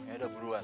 ya udah beruan